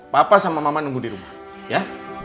papa sama mama nunggu di rumah ya